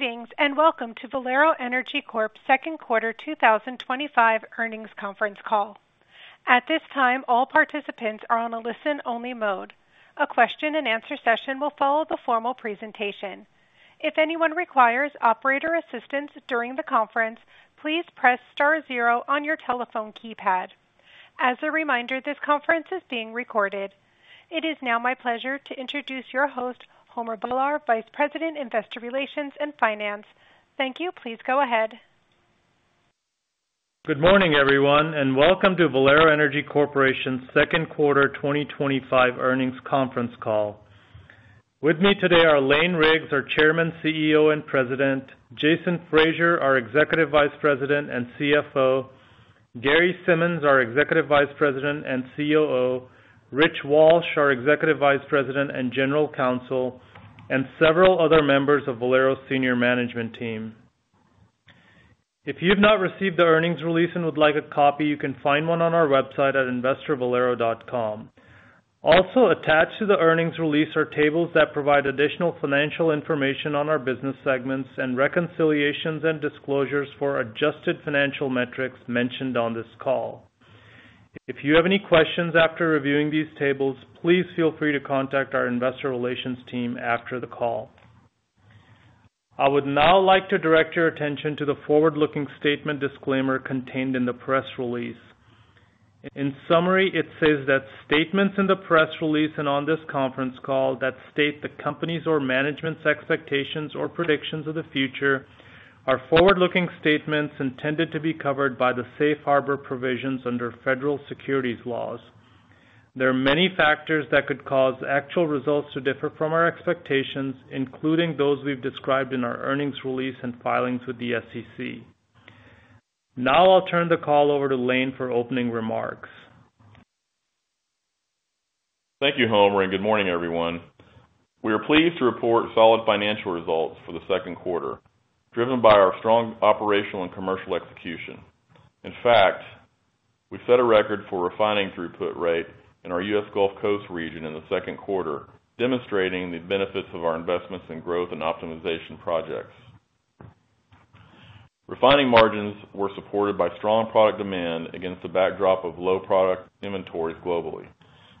Greetings and welcome to Valero Energy Corp second quarter 2025 earnings conference call. At this time, all participants are on a listen only mode. A question and answer session will follow the formal presentation. If anyone requires operator assistance during the conference, please press Star 0 on your telephone keypad. As a reminder, this conference is being recorded. It is now my pleasure to introduce your host, Homer Bhullar, Vice President, Investor Relations and Finance. Thank you. Please go ahead. Good morning everyone and welcome to Valero Energy Corporation's second quarter 2025 earnings conference call. With me today are Lane Riggs, our Chairman, CEO and President, Jason Fraser, our Executive Vice President and CFO, Gary Simmons, our Executive Vice President and COO, Rich Walsh, our Executive Vice President and General Counsel, and several other members of Valero's senior management team. If you have not received the earnings release and would like a copy, you can find one on our website at investorvalero.com. Also attached to the earnings release are tables that provide additional financial information on our business segments and reconciliations and disclosures for adjusted financial metrics mentioned on this call. If you have any questions after reviewing these tables, please feel free to contact our investor relations team after the call. I would now like to direct your attention to the forward-looking statement disclaimer contained in the press release. In summary, it says that statements in the press release and on this conference call that state the company's or management's expectations or predictions of the future are forward-looking statements intended to be covered by the safe harbor provisions under federal securities laws. There are many factors that could cause actual results to differ from our expectations, including those we have described in our earnings release and filings with the SEC. Now I will turn the call over to Lane for opening remarks. Thank you, Homer, and good morning, everyone. We are pleased to report solid financial results for the second quarter driven by our strong operational and commercial execution. In fact, we set a record for refining throughput rate in our U.S. Gulf Coast region in the second quarter, demonstrating the benefits of our investments in growth and optimization projects. Refining margins were supported by strong product demand against the backdrop of low product and inventories globally.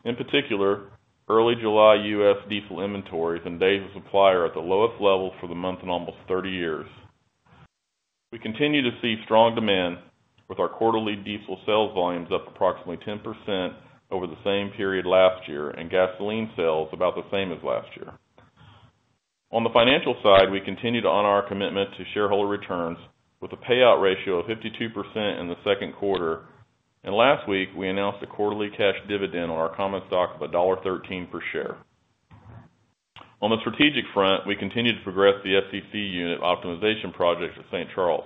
In particular, early July, U.S. diesel inventories and days of supply are at the lowest level for the month in almost 30 years. We continue to see strong demand with our quarterly diesel sales volumes up approximately 10% over the same period last year and gasoline sales about the same as last year. On the financial side, we continue to honor our commitment to shareholder returns with a payout ratio of 52% in the second quarter, and last week, we announced a quarterly cash dividend on our common stock of $1.13 per share. On the strategic front, we continue to progress the FCC unit optimization project at St. Charles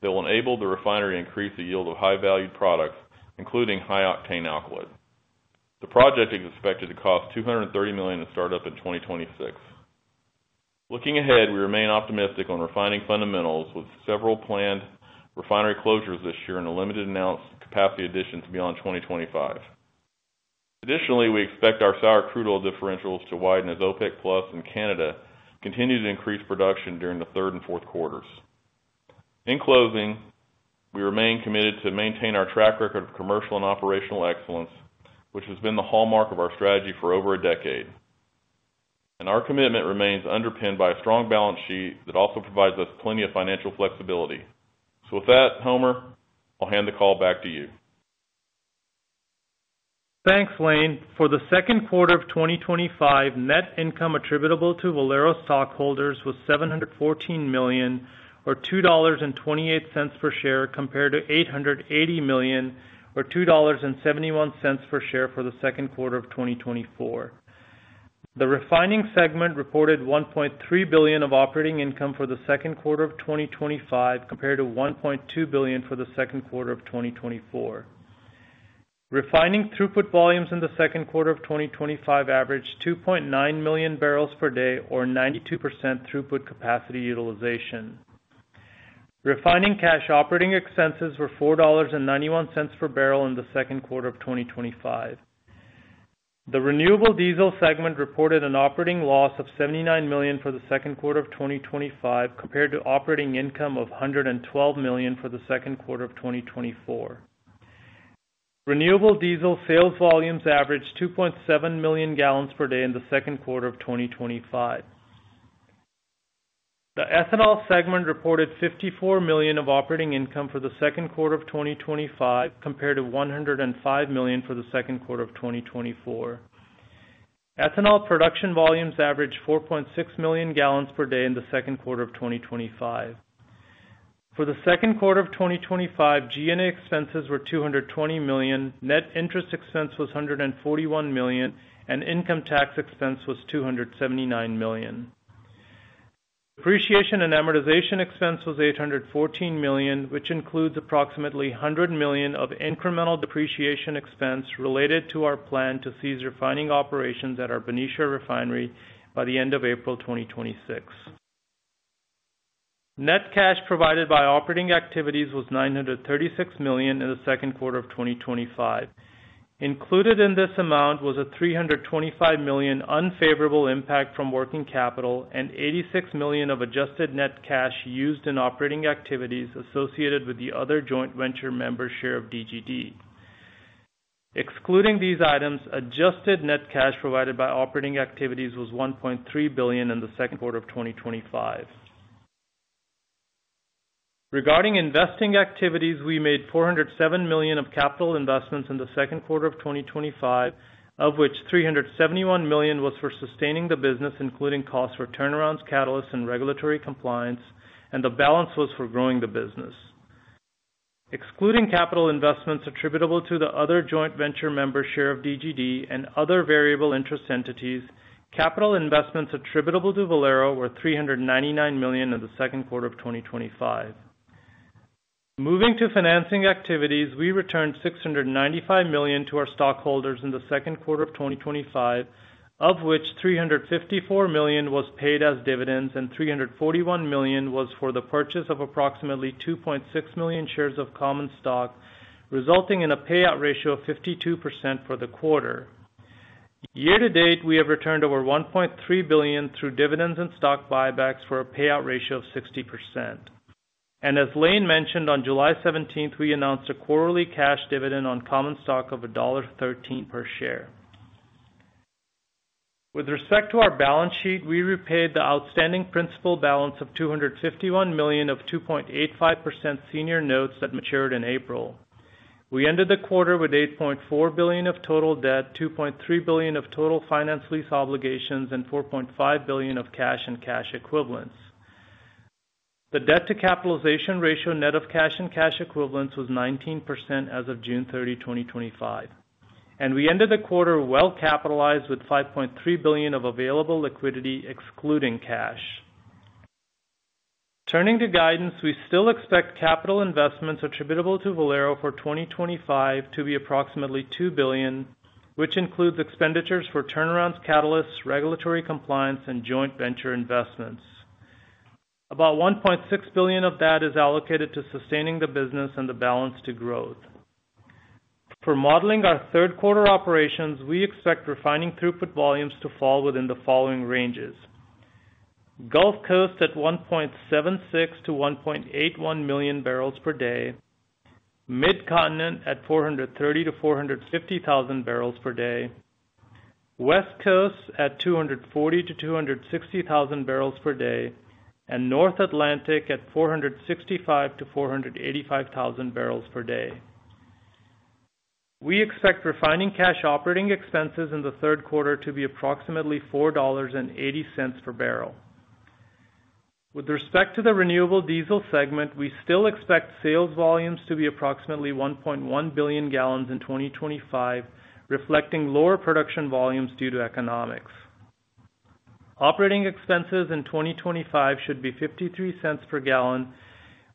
that will enable the refinery to increase the yield of high valued products, including high octane alkylates. The project is expected to cost $230 million to start up in 2026. Looking ahead, we remain optimistic on refining fundamentals with several planned refinery closures this year and a limited announced capacity addition to beyond 2025. Additionally, we expect our sour crude oil differentials to widen as OPEC and Canada continue to increase production during the third and fourth quarters. In closing, we remain committed to maintain our track record of commercial and operational excellence, which has been the hallmark of our strategy for over a decade. Our commitment remains underpinned by a strong balance sheet that also provides us plenty of financial flexibility. With that, Homer, I'll hand the call back to you. Thanks, Lane. For the second quarter of 2025, net income attributable to Valero stockholders was $714 million, or $2.28 per share, compared to $880 million, or $2.71 per share for the second quarter of 2024. The Refining segment reported $1.3 billion of operating income for the second quarter of 2025 compared to $1.2 billion for 2024. Refining throughput volumes in the second quarter of 2025 averaged 2.9 million barrels per day, or 92% throughput capacity utilization. Refining cash operating expenses were $4.91 per barrel in the second quarter of 2025. The Renewable Diesel segment reported an operating loss of $79 million for the second quarter of 2025, compared to operating income of $112 million for the second quarter of 2024. Renewable Diesel sales volumes averaged 2.7 million gallons per day in the second quarter of 2025. The Ethanol segment reported $54 million of operating income for the second quarter of 2025 compared to $105 million for the second quarter of 2024. Ethanol production volumes averaged 4.6 million gallons per day in the second quarter of 2025. For the second quarter of 2025, G&A expenses were $220 million, net interest expense was $141 million and income tax expense was $279 million. Depreciation and amortization expense was $814 million, which includes approximately $100 million of incremental depreciation expense related to our plan to cease refining operations at our Benicia refinery by the end of April 2026. Net cash provided by operating activities was $936 million in the second quarter of 2025. Included in this amount was a $325 million unfavorable impact from working capital and $86 million of adjusted net cash used in operating activities associated with the other joint venture member share of Diamond Green Diesel. Excluding these items, adjusted net cash provided by operating activities was $1.3 billion. Regarding investing activities, we made $407 million of capital investments in the second quarter of 2025, of which $371 million was for sustaining the business, including costs for turnarounds, catalysts, and regulatory compliance, and the balance was for growing the business, excluding capital investments attributable to the other joint venture member share of Diamond Green Diesel and other variable interest entities. Capital investments attributable to Valero were $399 million in the second quarter of 2025. Moving to financing activities, we returned $695 million to our stockholders in the second quarter of 2025, of which $354 million was paid as dividends and $341 million was for the purchase of approximately 2.6 million shares of common stock, resulting in a payout ratio of 52% for the quarter. Year to date, we have returned over $1.3 billion through dividends and stock buybacks for a payout ratio of 60%. As Lane mentioned, on July 17th we announced a quarterly cash dividend on common stock of $1.13 per share. With respect to our balance sheet, we repaid the outstanding principal balance of $251 million of 2.85% senior notes that matured in April. We ended the quarter with $8.4 billion of total debt, $2.3 billion of total finance lease obligations, and $4.5 billion of cash and cash equivalents. The debt to capitalization ratio net of cash and cash equivalents was 19% as of June 30, 2025, and we ended the quarter well capitalized with $5.3 billion of available liquidity. Exc. Turning to guidance, we still expect capital investments attributable to Valero for 2025 to be approximately $2 billion, which includes expenditures for turnarounds, catalysts, regulatory compliance, and joint venture investments. About $1.6 billion of that is allocated to sustaining the business and the balance to growth. For modeling our third quarter operations, we expect refining throughput volumes to fall within the following ranges: Gulf Coast at 1.76-1.81 million barrels per day, Mid Continent at 430,000-450,000 barrels per day, West Coast at 240,000-260,000 barrels per day, and North Atlantic at 465,000-485,000 barrels per day. We expect refining cash operating expenses in the third quarter to be approximately $4.8 per barrel. With respect to the renewable diesel segment, we still expect sales volumes to be approximately 1.1 billion gallons in 2025, reflecting lower production volumes due to economics. Operating expenses in 2025 should be $0.53 per gallon,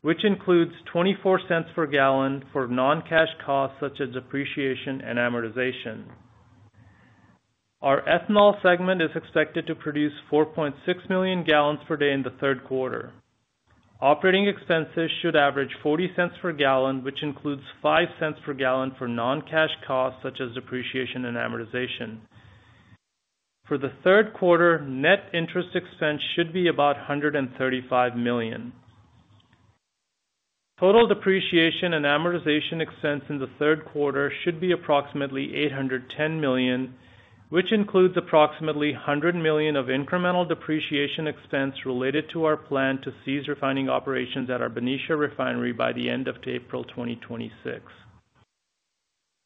which includes $0.24 per gallon for non-cash costs such as depreciation and amortization. Our ethanol segment is expected to produce 4.6 million gallons per day in the third quarter. Operating expenses should average $0.40 per gallon, which includes $0.05 per gallon for non-cash costs such as depreciation and amortization. For the third quarter, net interest expense should be about $135 million. Total depreciation and amortization expense in the third quarter should be approximately $810 million, which includes approximately $100 million of incremental depreciation expense related to our plan to cease refining operations at our Benicia refinery by the end of April 2026.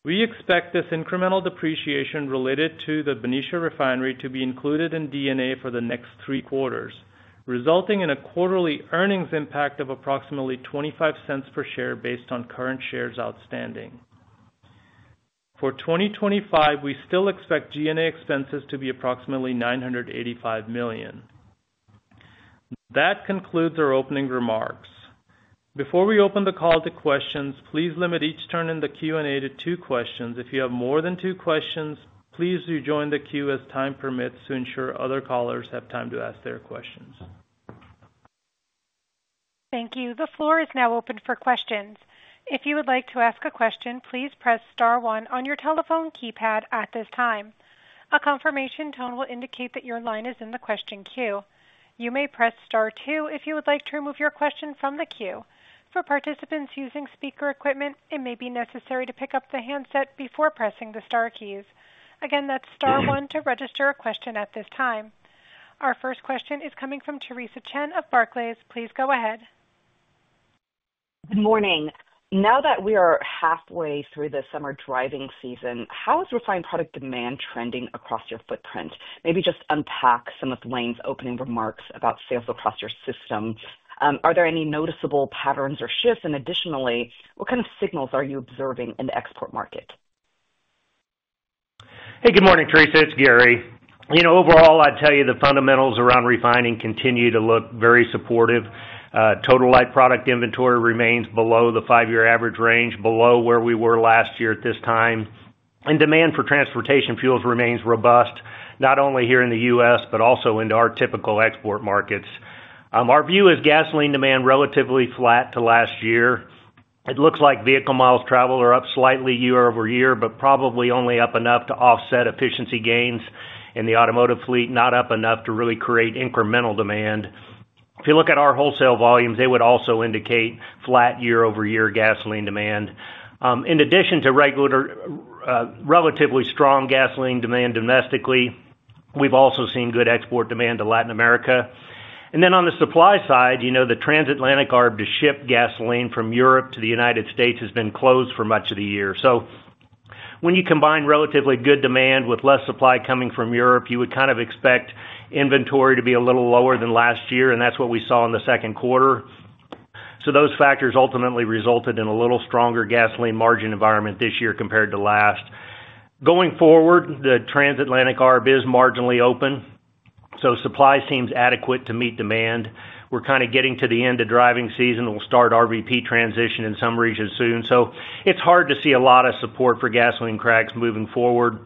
We expect this incremental depreciation related to the Benicia refinery to be included in depreciation and amortization for the next three quarters, resulting in a quarterly earnings impact of approximately $0.25 per share based on current shares outstanding. For 2025, we still expect G&A expenses to be approximately $985 million. That concludes our opening remarks. Before we open the call to questions, please limit each turn in the Q&A to two questions. If you have more than two questions, please rejoin the queue as time permits to ensure other callers have time to ask their question. Thank you. The floor is now open for questions. If you would like to ask a question, please press Star one on your telephone keypad at this time. A confirmation tone will indicate that your line is in the question queue. You may press Star two if you would like to remove your question from the queue. For participants using speaker equipment, it may be necessary to pick up the handset before pressing the star keys again. That's Star one. To register a question at this time, our first question is coming from Theresa Chen of Barclays. Please go ahead. Good morning. Now that we are halfway through the summer driving season, how is refined product demand trending across your footprint? Maybe just unpack some of Lane's opening remarks about sales across your system. Are there any noticeable patterns or shifts? Additionally, what kind of signals are you observing in the export market? Hey, good morning, Theresa, it's Gary. Overall, I'd tell you the fundamentals around refining continue to look very supportive. Total light product inventory remains below the five-year average range, below where we were last year at this time. And demand for transportation fuels remains robust not only here in the U.S. but also into our typical export markets. Our view is gasoline demand relatively flat to last year. It looks like vehicle miles traveled are up slightly year over year, but probably only up enough to offset efficiency gains in the automotive fleet. Not up enough to really create incremental demand. If you look at our wholesale volumes, they would also indicate flat year over year gasoline demand. In addition to relatively strong gasoline demand domestically, we've also seen good export demand to Latin America. And then on the supply side, you know, the transatlantic arb to ship gasoline from Europe to the United States has been closed for much of the year. When you combine relatively good demand with less supply coming from Europe, you would kind of expect inventory to be a little lower than last year. That's what we saw in the second quarter. Those factors ultimately resulted in a little stronger gasoline margin environment this year compared to last. Going forward, the transatlantic arb is marginally open, so supply seems adequate to meet demand. We're kind of getting to the end of driving season. We'll start RVP transition in some regions soon, so it's hard to see a lot of support for gasoline cracks moving forward.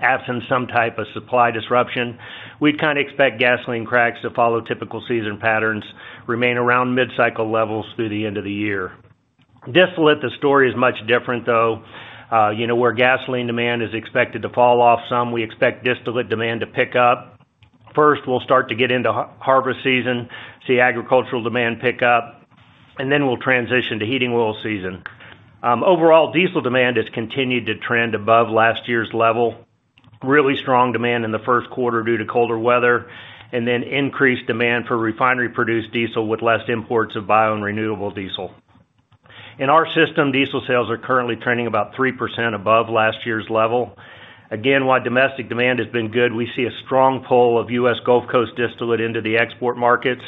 Absent some type of supply disruption, we kind of expect gasoline cracks to follow typical seasonal patterns, remain around mid-cycle levels through the end of the year. Distillate. The story is much different though. You know where gasoline demand is expected to fall off some. We expect distillate demand to pick up first. We'll start to get into harvest season, see agricultural demand pick up, and then we'll transition to heating oil season. Overall diesel demand has continued to trend above last year's level. Really strong demand in the first quarter due to colder weather and then increased demand for refinery-produced diesel. With less imports of bio and renewable diesel in our system, diesel sales are currently trending about 3% above last year's level again. While domestic demand has been good, we see a strong pull of U.S. Gulf Coast distillate into the export markets.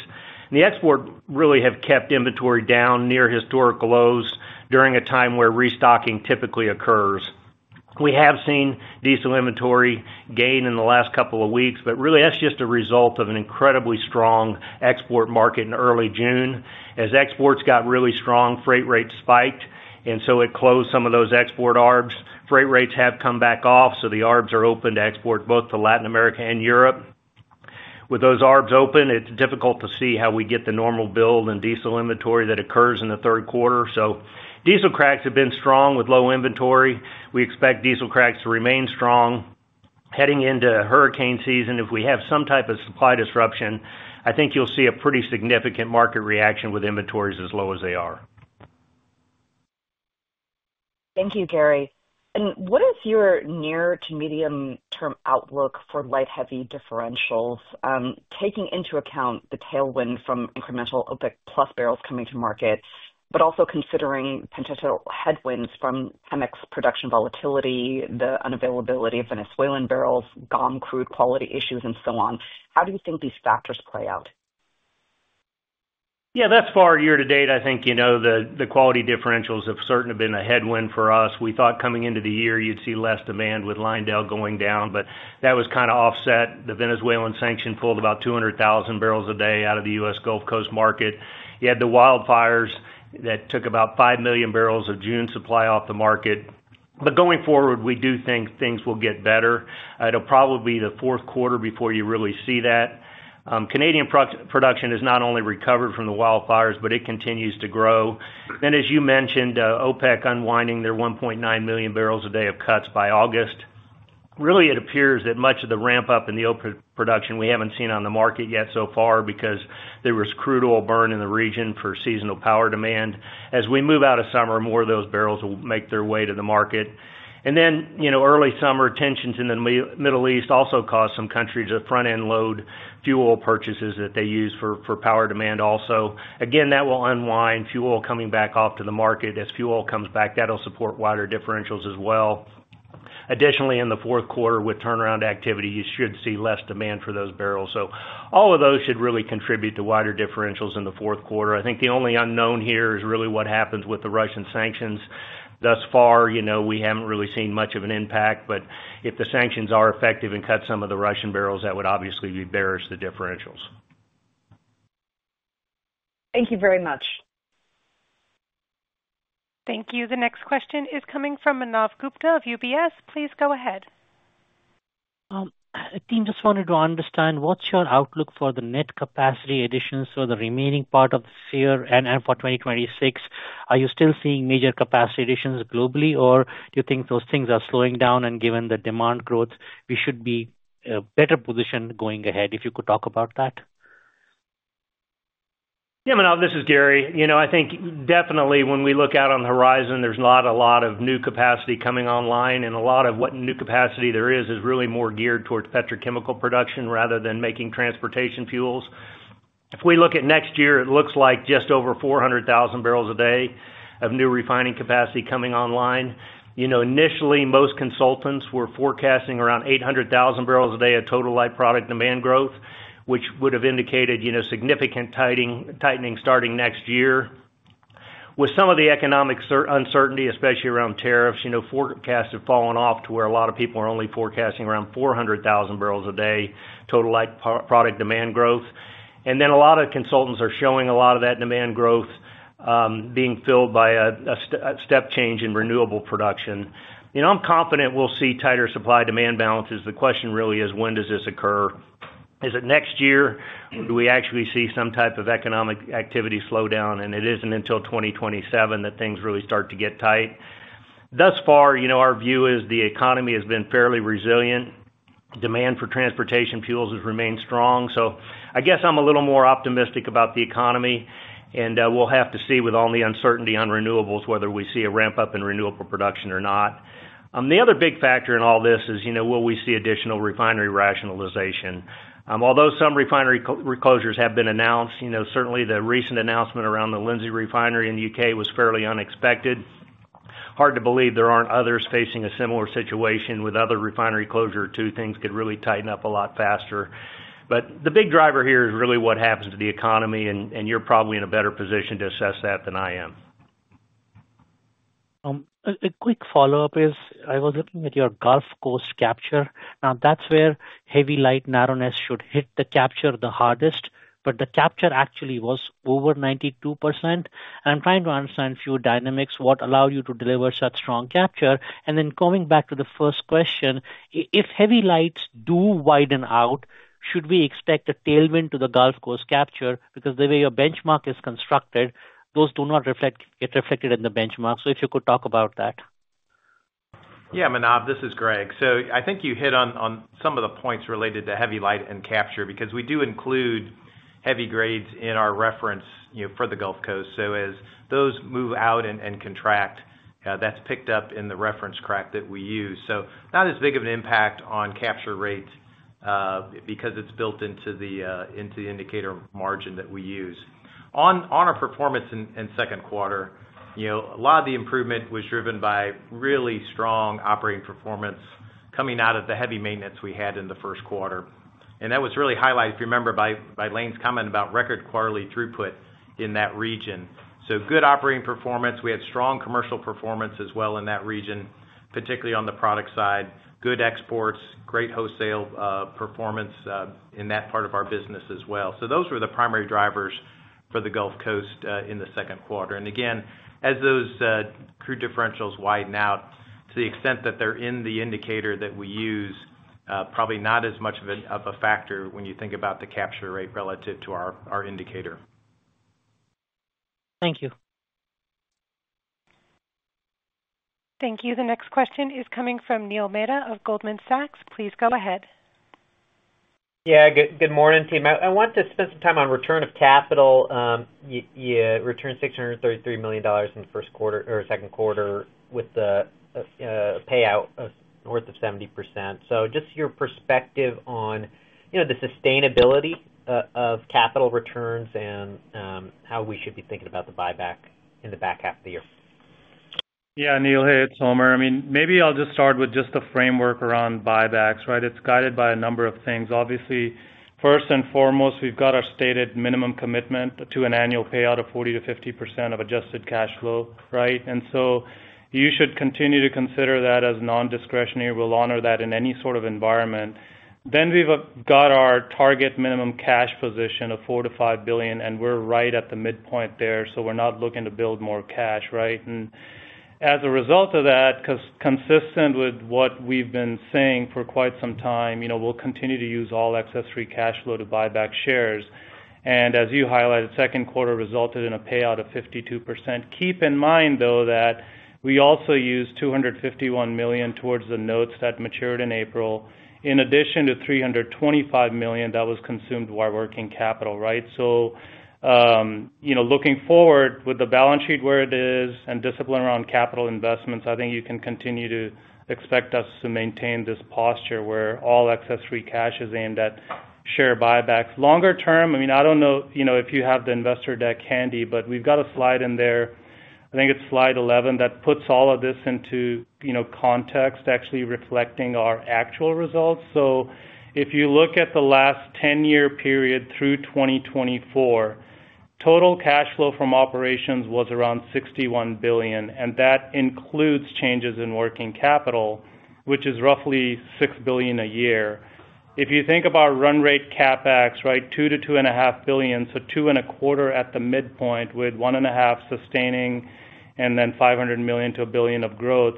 The exports really have kept inventory down near historic lows during a time where restocking typically occurs. We have seen diesel inventory gain in the last couple of weeks, but really that's just a result of an incredibly strong export market. In early June, as exports got really strong, freight rates spiked and it closed some of those export arbs. Freight rates have come back off. The arbs are open to export both to Latin America and Europe. With those arbs open, it's difficult to see how we get the normal build in diesel inventory that occurs in the third quarter. Diesel cracks have been strong with low inventory. We expect diesel cracks to remain strong heading into hurricane season. If we have some type of supply disruption, I think you'll see a pretty significant market reaction with inventories as low as they are. Thank you, Gary. What is your near to medium term outlook for light heavy differentials? Taking into account the tailwind from incremental OPEC barrels coming to market, but also considering potential headwinds from production volatility, the unavailability of Venezuelan barrels, gum crude quality issues and so on. How do you think these factors play out? Yeah, thus far, year to date, I think, you know, the quality differentials have certainly been a headwind for us. We thought coming into the year you'd see less demand with LyondellBasell going down, but that was kind of offset. The Venezuelan sanction pulled about 200,000 barrels a day out of the U.S. Gulf Coast market. You had the wildfires that took about 5 million barrels of June supply off the market. Going forward, we do think things will get better. It will probably be the fourth quarter before you really see that Canadian production has not only recovered from the wildfires, but it continues to grow. As you mentioned, OPEC unwinding their 1.9 million barrels a day of cuts by August. Really, it appears that much of the ramp up in the oil production we haven't seen on the market yet so far because there was crude oil burn in the region for seasonal power demand. As we move out of summer, more of those barrels will make their way to the market. You know, early summer tensions in the Middle East also caused some countries to front end load fuel purchases that they use for power demand. Again, that will unwind, fuel coming back off to the market. As fuel comes back, that will support wider differentials as well. Additionally, in the fourth quarter with turnaround activity, you should see less demand for those barrels. All of those should really contribute to wider differentials in the fourth quarter. I think the only unknown here is really what happens with the Russian sanctions. Thus far, you know, we haven't really seen much of an impact. If the sanctions are effective and cut some of the Russian barrels, that would obviously be bearish the differentials. Thank you very much. Thank you. The next question is coming from Manav Gupta of UBS. Please go ahead, team. Just wanted to understand what's your outlook for the net capacity additions for the remaining part of the year and for 2026? Are you still seeing major capacity additions globally or do you think those things are slowing down and given the demand growth, we should be better positioned going ahead? If you could talk about that. Yeah, Manav, this is Gary. You know, I think definitely when we look out on the horizon, there's not a lot of new capacity coming online. A lot of what new capacity there is is really more geared towards petrochemical production rather than making transportation fuels. If we look at next year, it looks like just over 400,000 barrels a day of new refining capacity coming online. You know, initially most consultants were forecasting around 800,000 barrels a day of total light product demand growth, which would have indicated, you know, significant tightening starting next year with some of the economic uncertainty, especially around tariffs. You know, forecasts have fallen off to where a lot of people are only forecasting around 400,000 barrels a day total light product demand growth. A lot of consultants are showing a lot of that demand growth being filled by a step change in renewable production. You know, I'm confident we'll see tighter supply demand balances. The question really is, when does this occur? Is it next year? Do we actually see some type of economic activity slowdown? And it isn't until 2027 that things really start to get tight. Thus far, you know, our view is the economy has been fairly resilient, demand for transportation fuels has remained strong. I guess I'm a little more optimistic about the economy. We'll have to see with all the uncertainty on renewables, whether we see a ramp up in renewable production or not. The other big factor in all this is will we see additional refinery rationalization? Although some refinery closures have been announced, certainly the recent announcement around the Lindsey refinery in the U.K. was fairly unexpected. Hard to believe there aren't others facing a similar situation with other refinery closure, too. Things could really tighten up a lot faster. The big driver here is really what happens to the economy. You're probably in a better position to assess that than I am. A quick follow up is I was looking at your Gulf Coast capture. Now, that's where heavy light narrowness should hit the capture the hardest. The capture actually was over 92%. I'm trying to understand a few dynamics. What allowed you to deliver such strong capture? Coming back to the first question, if heavy lights do widen out, should we expect a tailwind to the Gulf Coast capture? The way your benchmark is constructed, those do not get reflected in the benchmark. If you could talk about that. Yeah, Manav, this is Greg. I think you hit on some of the points related to heavy light and capture because we do include heavy grades in our reference for the Gulf Coast. As those move out and contract, that's picked up in the reference crack that we use. Not as big of an impact on capture rate because it's built into the indicator margin that we use on our performance in second quarter. A lot of the improvement was driven by really strong operating performance coming out of the heavy maintenance we had in the first quarter. That was really highlighted, if you remember, by Lane's comment about record quarterly throughput in that region. Good operating performance, we had strong commercial performance as well in that region, particularly on the product side. Good exports, great wholesale performance in that part of our business as well. Those were the primary drivers for the Gulf Coast in the second quarter. Again, as those crude differentials widen out to the extent that they're in the indicator that we use, probably not as much of a factor when you think about the capture rate relative to our indicator. Thank you. Thank you. The next question is coming from Neil Mehta of Goldman Sachs. Please go ahead. Yeah. Good morning, team. I want to spend some time on return of capital. You return $633 million in the first quarter or second quarter with a payout north of 70%. Just your perspective on the sustainability of capital returns and how we should be thinking about the buyback in the back half of the year. Yeah, Neil. Hey, it's Homer. I mean, maybe I'll just start with just the framework around buybacks. Right. It's guided by a number of things. Obviously, first and foremost, we've got our stated minimum commitment to an annual payout of 40%-50% of adjusted cash flow. Right. And so you should continue to consider that as non discretionary. We'll honor that in any sort of environment. Then we've got our target minimum cash position of $4 billion-$5 billion. And we're right at the midpoint there. So we're not looking to build more cash. Right. And as a result of that, consistent with what we've been saying for quite some time, you know, we'll continue to use all excess free cash flow to buy back shares. And as you highlighted, second quarter resulted in a payout of 52%. Keep in mind though that we also used $251 million towards the notes that matured in April in addition to $325 million that was consumed while working capital. Right. So you know, looking forward with the balance sheet where it is and discipline around capital investments, I think you can continue to expect us to maintain this posture where all excess free cash is aimed at share buybacks longer term. I mean I don't know, you know, if you have the investor deck handy but we've got a slide in there. I think it's slide 11 that puts all of this into, you know, context actually reflecting our actual results. So if you look at the last 10 year period through 2024, total cash flow from operations was around $61 billion. And that includes changes in working capital which is roughly $6 billion a year. If you think about run rate capex right, $2 bilion-$2.5 billion. So $2.25 billion at the midpoint with $1.5 billion sustaining and then $500 million-$1 billion of growth.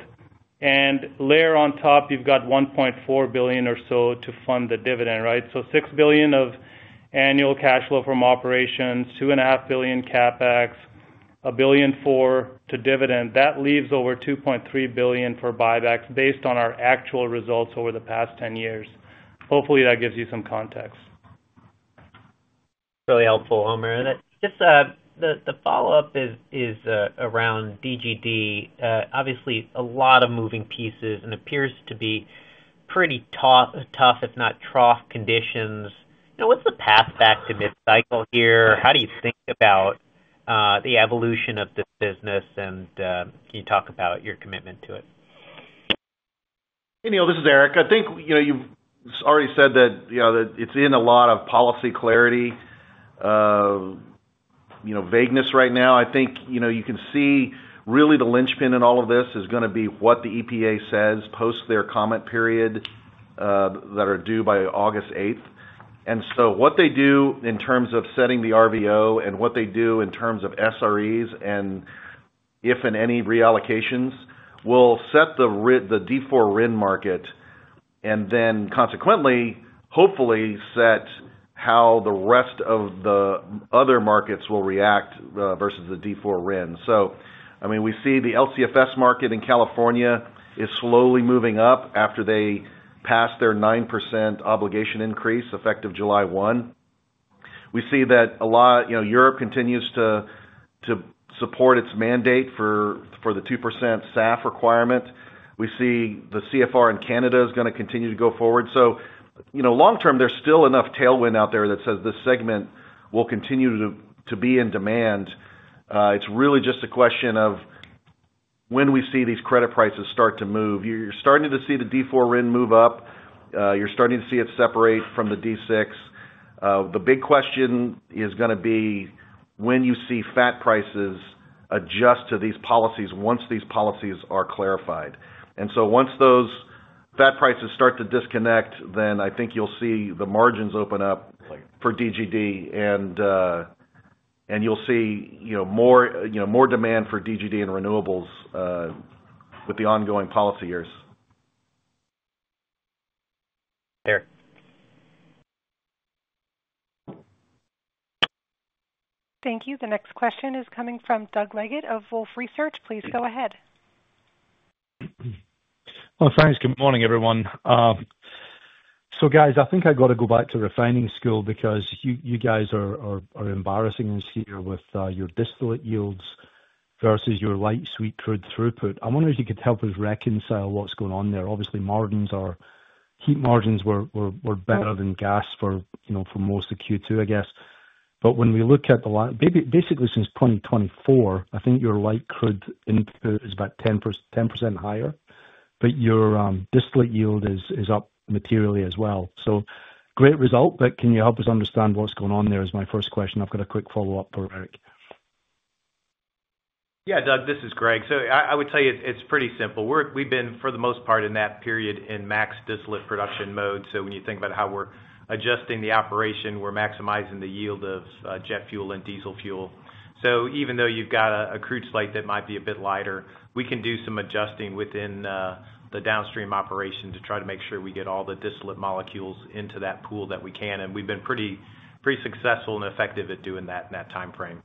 And layer on top you've got $1.4 billion or so to fund the dividend. Right. So $6 billion of annual cash flow from operations, $2.5 billion capex, $1.4 billion to dividend. That leaves over $2.3 billion for buybacks based on our actual results over the past 10 years. Hopefully that gives you some context. Really helpful. Homer, the follow-up is around Diamond Green Diesel. Obviously a lot of moving pieces and appears to be pretty tough, if not trough, conditions. What's the path back to mid-cycle here? How do you think about the evolution. Of the business, and can you talk about your commitment to it? Hey Neil, this is Eric. I think you already said that it's in a lot of policy clarity, vagueness right now. I think you can see really the linchpin in all of this is going to be what the EPA says post their comment period that are due by August 8th. What they do in terms of setting the RVO and what they do in terms of SREs and if and any reallocations will set the D4 RIN market and then consequently hopefully set how the rest of the other markets will react versus the D4 RIN. I mean we see the LCFS market in California is slowly moving up after they pass their 9% obligation increase effective July 1st. We see that a lot. You know Europe continues to support its mandate for the 2% SAF requirement. We see the CFR in Canada is going to continue to go forward. You know, long term, there's still enough tailwind out there that says this segment will continue to be in demand. It's really just a question of when we see these credit prices start to move. You're starting to see the D4 RIN move up. You're starting to see it separate from the D6. The big question is going to be when you see FAME prices adjust to these policies. Once these policies are clarified and once those FAME prices start to disconnect, then I think you'll see the margins open up for Diamond Green Diesel and you'll see more demand for Diamond Green Diesel and renewables with the ongoing policy years. There. Thank you. The next question is coming from Doug Leggett of Wolfe Research. Please go ahead. Thanks. Good morning everyone. Guys, I think I got to. Go back to refining school because you. Guys are embarrassing us here with your. Distillate yields versus your light sweet crude throughput. I wonder if you could help us. Reconcile what's going on there. Obviously margins are heat. Margins were better than gas for most of Q2, I guess. When we look at the basically since 2024, I think your light crude is about 10% higher, but your distillate. Yield is up materially as well. Great result. Can you help us understand what's. Going on there is my first question. I've got a quick follow up for Eric. Yeah, Doug, this is Greg. I would tell you it's pretty simple. We've been for the most part in that period in max distillate production mode. Think about how we're adjusting the operation. We're maximizing the yield of jet fuel and diesel fuel. Even though you've got a crude slate that might be a bit lighter, we can do some adjusting within the downstream operation to try to make sure we get all the distillate molecules into that pool that we can. We've been pretty successful and effective at doing that in that timeframe.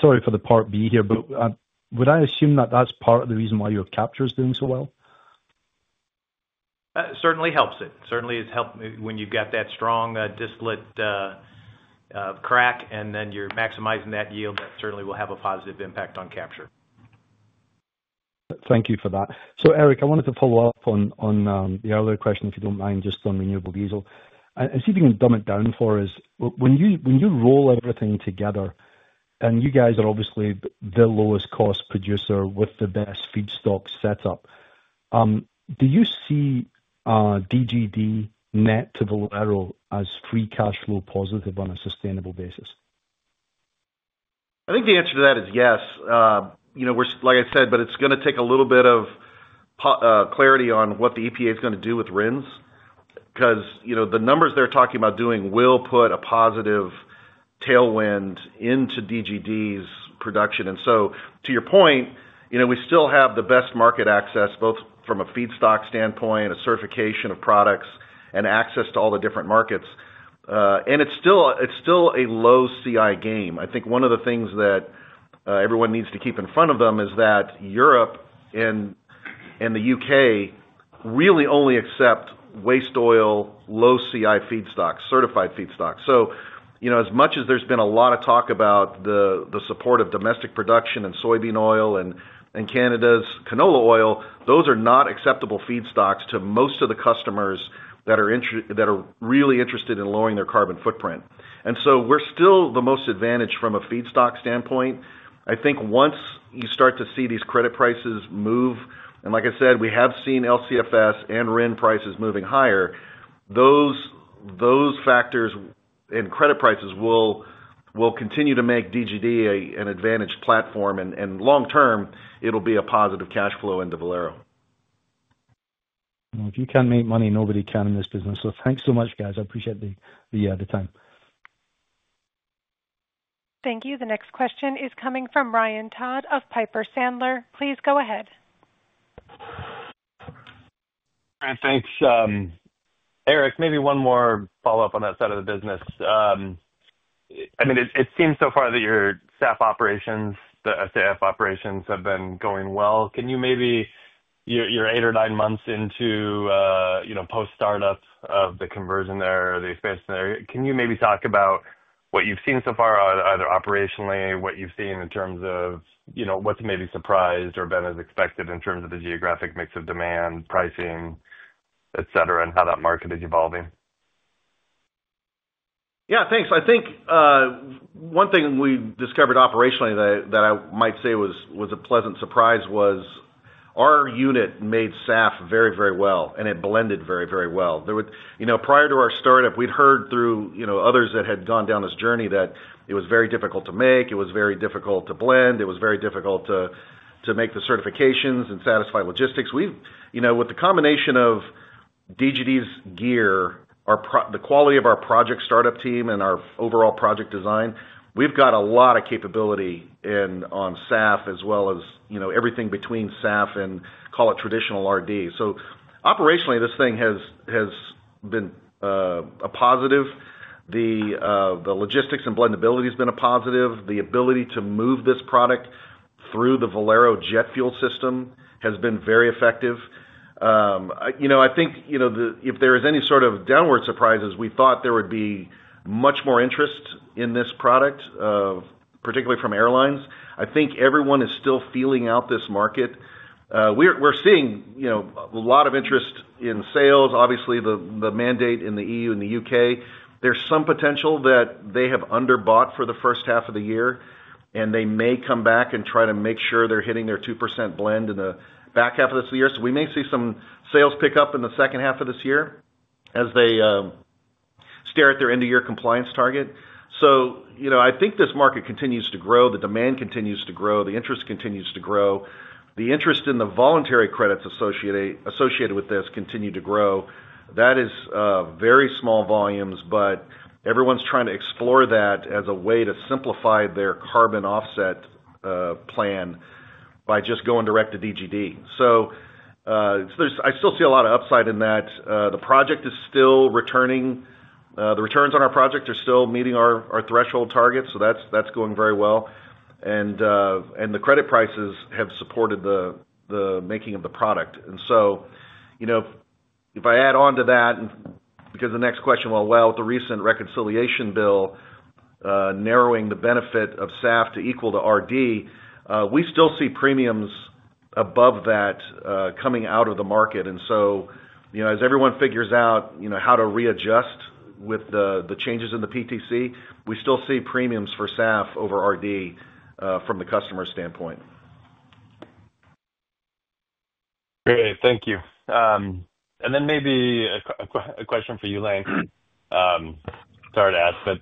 Sorry for the part B here, but would I assume that that's part of the reason why your capture is doing so well? Certainly helps. It certainly, when you've got that strong distillate crack and then you're maximizing that yield, that certainly will have a positive impact on capture. Thank you for that. Eric, I wanted to follow up. On the earlier question, if you don't mind, just on renewable diesel and see if you can dumb it down for us. When you roll everything together and you. Guys are obviously the lowest cost producer. With the best feedstock setup, do you see Diamond Green Diesel net to Valero? As free cash flow, positive on a sustainable basis. I think the answer to that is yes, like I said. It's going to take a little bit of clarity on what the EPA is going to do with RINs, because the numbers they're talking about doing will put a positive tailwind into Diamond Green Diesel's production. To your point, you know, we still have the best market access, both from a feedstock standpoint, a certification of products, and access to all the different markets. It's still a low CI game. I think one of the things that everyone needs to keep in front of them is that Europe and the U.K. really only accept waste oil, low CI feedstocks, certified feedstocks. You know, as much as there's been a lot of talk about the support of domestic production and soybean oil and Canada's canola oil, those are not acceptable feedstocks to most of the customers that are really interested in lowering their carbon footprint. We're still the most advantaged from a feedstock standpoint. I think once you start to see these credit prices move, and like I said, we have seen LCFS and RIN prices moving higher, those factors in credit prices will continue to make Diamond Green Diesel an advantaged platform. Long term, it will be a positive cash flow into Valero. If you can't make money, nobody can in this business. Thanks so much, guys. I appreciate the time. Thank you. The next question is coming from Ryan Todd of Piper Sandler. Please go ahead. Thanks, Eric. Maybe one more follow up on that. Side of the business. I mean, it seems so far that your staff operations, the SAF operations have been going well. Can you maybe, you're eight or nine months into, you know, post startup of the conversion there or the expansion there. Can you maybe talk about what you've? Seen so far, either operationally, what you've seen in terms of, you know, what's. Maybe surprised or been as expected in terms of the geographic mix of demand? Pricing, et cetera, and how that market is evolving. Yeah, thanks. I think one thing we discovered operationally that I might say was a pleasant surprise was our unit made SAF very, very well and it blended very, very well. Prior to our startup, we'd heard through others that had gone down this journey that it was very difficult to make. It was very difficult to blend, it was very difficult to make the certifications and satisfy logistics. We, you know, with the combination of Diamond Green Diesel's gear, the quality of our project startup team and our overall project design, we've got a lot of capability on SAF as well as, you know, everything between SAF and, call it, traditional RD. Operationally this thing has been a positive. The logistics and blendability has been a positive. The ability to move this product through the Valero jet fuel system has been very effective. You know, I think, you know, if there is any sort of downward surprises, we thought there would be much more interest in this product, particularly from airlines. I think everyone is still feeling out this market. We're seeing, you know, a lot of interest in sales. Obviously the mandate in the EU and the U.K., there's some potential that they have underbought for the first half of the year and they may come back and try to make sure they're hitting their 2% blend in the back half of this year. We may see some sales pick up in the second half of this year as they stare at their end of year compliance target. You know, I think this market continues to grow. The demand continues to grow, the interest continues to grow. The interest in the voluntary credits associated with this continue to grow. That is very small volumes, but everyone's trying to explore that as a way to simplify their carbon offset plan by just going direct to Diamond Green Diesel. I still see a lot of upside in that. The project is still returning. The returns on our project are still meeting our threshold targets. That's going very well. The credit prices have supported the making of the product. If I add on to that, because the next question, with the recent reconciliation bill narrowing the benefit of SAF to equal to RD, we still see premiums above that coming out of the market. As everyone figures out how to readjust with the changes in the PTC, we still see premiums for SAF over RD from the customer standpoint. Great, thank you. Maybe a question for you, Lane. Sorry to ask, but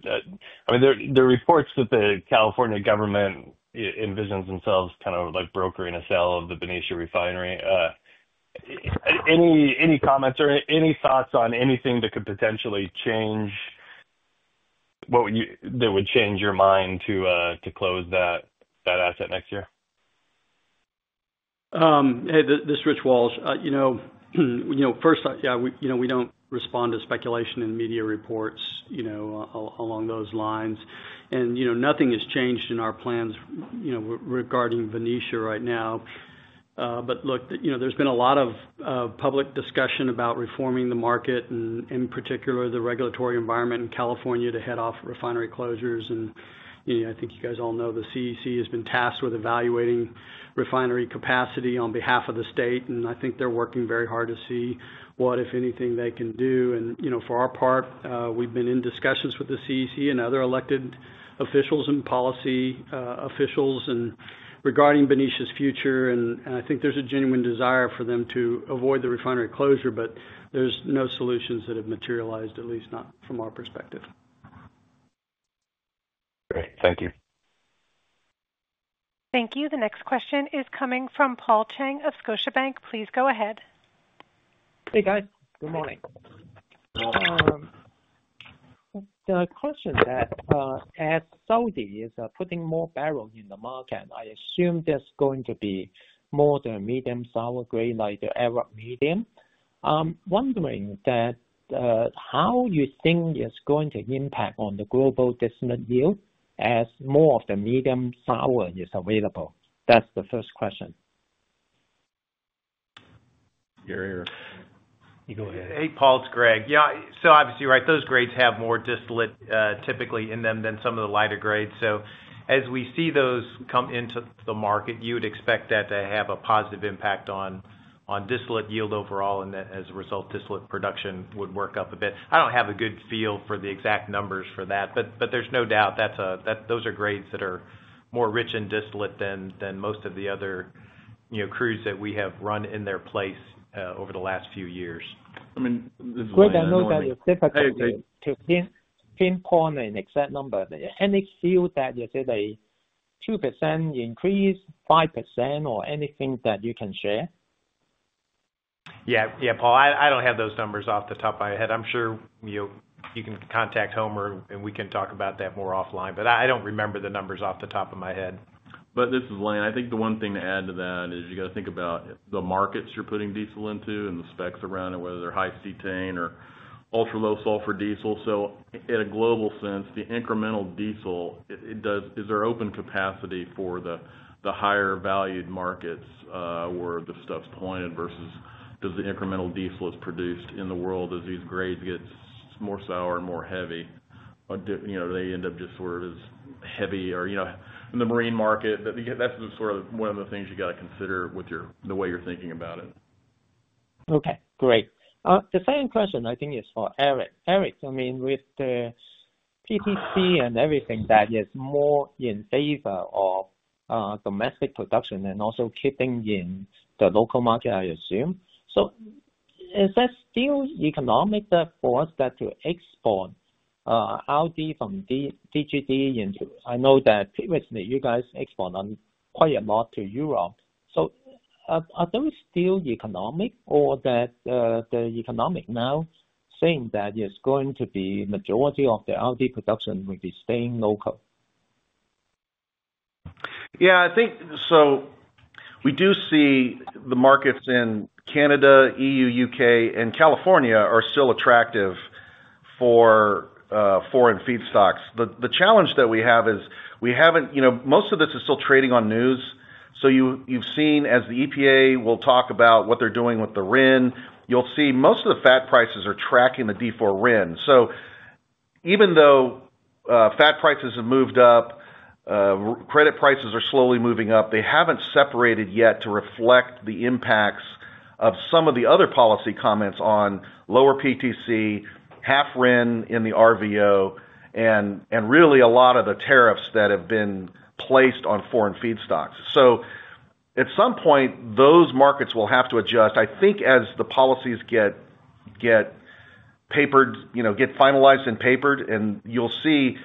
I mean, there. Are reports that the California government envisions themselves kind of like brokering a sale? Of the Benicia refinery. Any comments or any thoughts on anything that could potentially change? That would change. Your mind to close that asset next year? Hey, this is Rich Walsh. You know, first, we don't respond to speculation in media reports, you know, along those lines. You know, nothing has changed in our plans, you know, regarding Benicia right now. Look, you know, there's been a lot of public discussion about reforming the market and in particular the regulatory environment in California to head off refinery closures. I think you guys all know the CEC has been tasked with evaluating refinery capacity on behalf of the state. I think they're working very hard to see what, if anything, they can do. You know, for our part, we've been in discussions with the CEC and other elected officials and policy officials regarding Benicia's future. I think there's a genuine desire for them to avoid the refinery closure. There's no solutions that have materialized, at least not from our perspective. Great, thank you. Thank you. The next question is coming from Paul Chang of Scotiabank. Please go ahead. Hey guys. Good morning. The question that as Saudi is putting more barrel in the market, I assume there's going to be more of the medium sour grade like the Arab Medium. I'm wondering how you think it's going to impact on the global distillate yield as more of the medium sour is available? That's the first question. Gary, or go ahead. Hey, Paul, it's Greg. Yeah. Obviously, right, those grades have more distillate typically in them than some of the lighter grades. As we see those come into the market, you would expect that to have a positive impact on distillate yield overall, and as a result, distillate production would work up a bit. I do not have a good feel for the exact numbers for that, but there is no doubt those are grades that are more rich in distillate than most of the other crudes that we have run in their place over the last few years. To pinpoint an exact number, any field that you said a 2% increase, 5% or anything that you can share. Yeah, yeah, Paul, I don't have those numbers off the top of my head. I'm sure you can contact Homer and we can talk about that more offline. I don't remember the numbers off the top of my head. This is Lane. I think the one thing to add to that is you got to think about the markets you're putting diesel into and the specs around it, whether they're high cetane or ultra low sulfur diesel. In a global sense, the incremental diesel is, is there open capacity for the higher valued markets where the stuff's pointed versus does the incremental diesel get produced in the world. As these grades get more sour and more heavy, you know, they end up just sort of as heavy or, you know, in the marine market. That's sort of one of the things you got to consider with your, the way you're thinking about it. Okay, great. The second question I think is for Eric. Eric, I mean with the PTC and everything that is more in favor of domestic production and also keeping in the local market? I assume so. Is that still economic for us to export out of Diamond Green Diesel into, I know that previously you guys exported quite a lot to Europe. So are those still economic or is the economic now saying that it's going to be majority of the Diamond Green Diesel production will be staying local? Yeah, I think so. We do see the markets in Canada, EU, U.K. and California are still attractive for foreign feedstocks. The challenge that we have is we haven't, you know, most of this is still trading on news. You have seen as the EPA will talk about what they're doing with the RIN, you'll see most of the FAME prices are tracking the D4 RIN. Even though FAME prices have moved up, credit prices are slowly moving up. They haven't separated yet to reflect the impacts of some of the other policy comments on lower PTC, half RIN in the RVO, and really a lot of the tariffs that have been placed on foreign feedstocks. At some point those markets will have to adjust. I think as the policies get papered, you know, get finalized and papered, you will see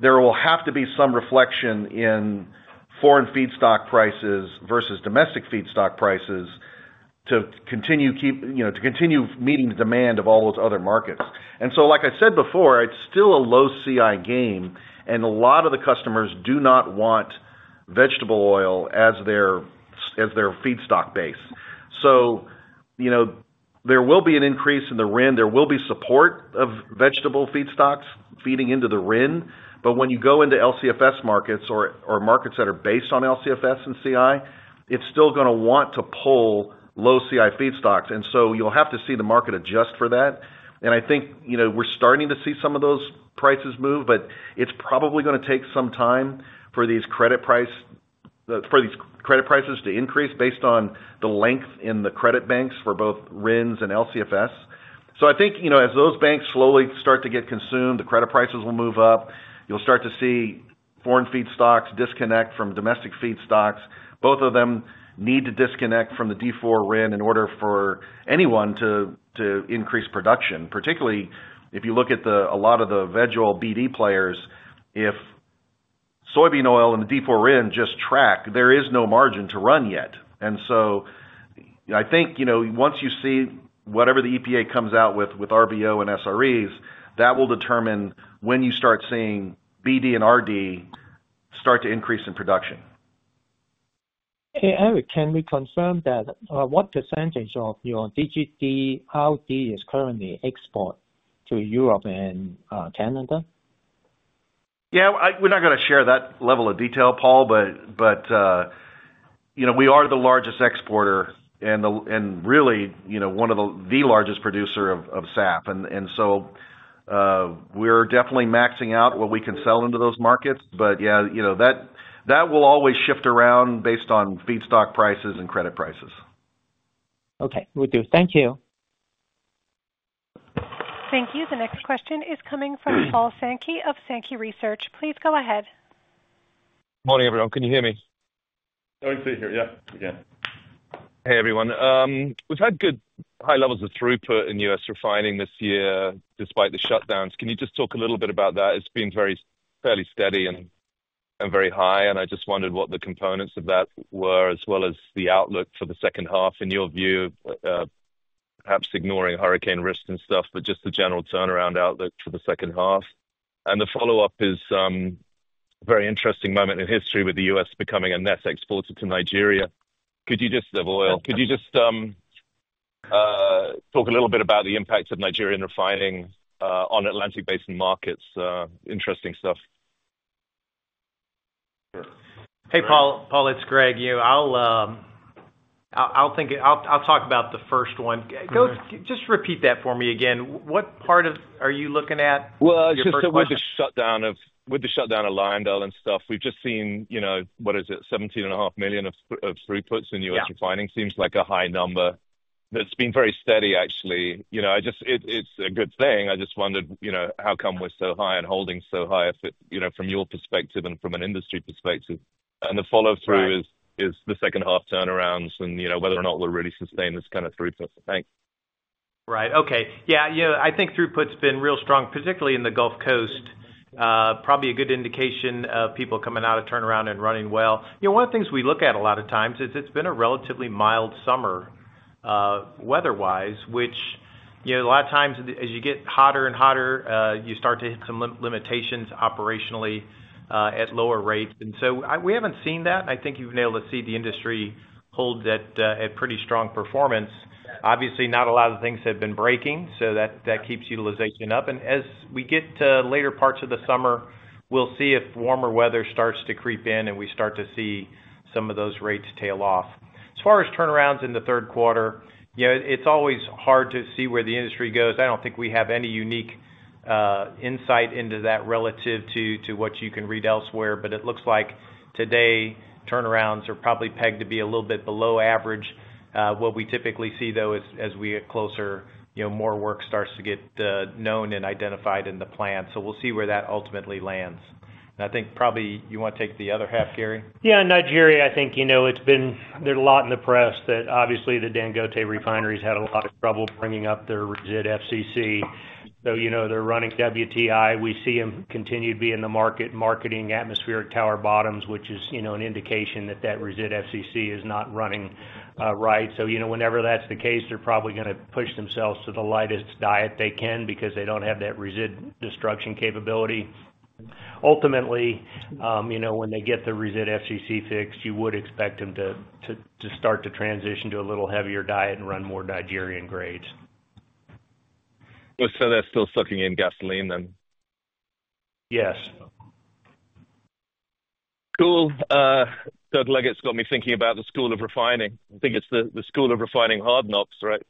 there will have to be some reflection in foreign feedstock prices versus domestic feedstock prices to continue to keep, you know, to continue meeting the demand of all those other markets. Like I said before, it's still a low CI game and a lot of the customers do not want vegetable oil as their feedstock base. There will be an increase in the RIN. There will be support of vegetable feedstocks feeding into the RIN. When you go into LCFS markets or markets that are based on LCFS and CI, it's still going to want to pull low CI feedstocks. You will have to see the market adjust for that. I think we're starting to see some of those prices move. It's probably going to take some. Time. For these credit prices to increase based on the length in the credit banks for both RINs and LCFS. I think as those banks slowly start to get consumed, the credit prices will move up. You'll start to see foreign feedstocks disconnect from domestic feedstocks. Both of them need to disconnect from the D4 RIN in order for anyone to increase production. Particularly if you look at a lot of the veg oil BD players, if soybean oil and the D4 RIN just track, there is no margin to run yet. I think once you see whatever the EPA comes out with with RVO and SREs, that will determine when you start seeing BD and RD start to increase in production. Eric, can we confirm that what percentage of your Diamond Green Diesel RD is currently export to Europe and Canada? Yeah, we're not going to share that level of detail, Paul, but you know, we are the largest exporter and really, you know, one of the largest producers of SAF. And so we're definitely maxing out what we can sell into those markets. Yeah, you know that that will always shift around based on feedstock prices and credit prices. Okay, we do. Thank you. Thank you. The next question is coming from Paul Sankey of Sankey Research. Please go ahead. Morning, everyone. Can you hear me? Yeah, hey, everyone. We've had good high levels of throughput in U.S. refining this year, despite the shutdowns. Can you just talk a little bit about that? It's been very fairly steady and very high. I just wondered what the components of that were as well as the outlook for the second half, in your view, perhaps ignoring hurricane risk and stuff, just the general turnaround outlook for the second half. The follow up is a very interesting moment in history with the U.S. becoming a net exporter to Nigeria. Could you just, could you just. Talk. A little bit about the impact of. Nigerian refining on Atlantic Basin markets. Interesting stuff. Hey, Paul. Paul, it's Greg. You. I'll. I think I'll talk about the first one. Just repeat that for me again. What part are you looking at? With the shutdown of LyondellBasell and. Stuff, we've just seen, you know, what is it, 17.5 million of throughputs in U.S. refining seems like a high number that's been very steady, actually. I just. It's a good thing. I just wondered how come we're so high and holding so high from your perspective and from an industry perspective, and the follow through is the second half turnarounds and whether or not we'll really sustain this kind of throughput. Right, okay. Yeah, I think throughput's been real strong, particularly in the Gulf Coast. Probably a good indication of people coming out of turnaround and running. One of the things. we look at a lot of times is it's been a relatively mild summer weather wise, which, you know, a lot of times as you get hotter and hotter, you start to hit some limitations operationally at lower rates and we haven't seen that. I think you've been able to see the industry hold that at pretty strong performance. Obviously not a lot of things have been breaking, so that keeps utilization up. As we get to later parts of the summer, we'll see if warmer weather starts to creep in and we start to see some of those rates tail off. As far as turnarounds in the third quarter, you know, it's always hard to see where the industry goes. I don't think we have any unique insight into that relative to what you can read elsewhere. It looks like today turnarounds are probably pegged to be a little bit below average. What we typically see though is as we get closer, more work starts to get known and identified in the plan. We'll see where that ultimately lands. I think probably you want to take the other half, Gary? Yeah. In Nigeria, I think, you know, it's been. There's a lot in the press that obviously the Dangote refineries had a lot of trouble bringing up their resid FCC. You know, they're running WTI. We see them continue to be in the market marketing atmospheric tower bottoms, which is, you know, an indication that that resid FCC is not running. Right. Whenever that's the case, they're probably going to push themselves to the lightest diet they can because they don't have that resid destruction capability. Ultimately, you know, when they get the resid FCC fixed, you would expect them to start to transition to a little heavier diet and run more Nigerian grades. They're still sucking in gasoline then? Yes. Cool. Doug Leggett's got me thinking about the school of refining. I think it's the school of refining. Hard knocks, right?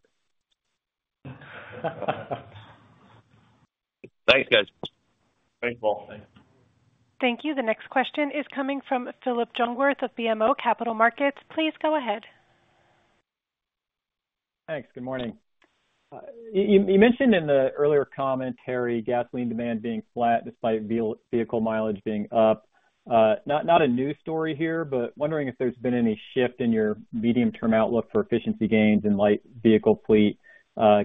Thanks guys. Thanks, Paul. Thank you. The next question is coming from Philip Jungwirth of BMO Capital Markets. Please go ahead. Thanks. Good morning. You mentioned in the earlier commentary gasoline. Demand being flat despite vehicle mileage being up. Not a new story here, but wondering if there's been any shift in your. Medium term outlook for efficiency gains in. Light vehicle fleet